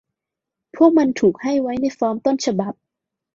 พวกมันถูกให้ไว้ในฟอร์มต้นฉบับ